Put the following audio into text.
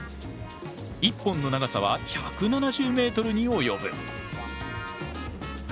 一本の長さは１７０メートルに及ぶ。